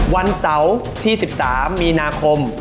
วันเสาร์ที่๑๓มีนาคม